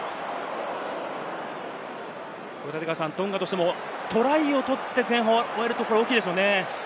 トンガとしてもトライを取って、前半を終えると大きいですよね。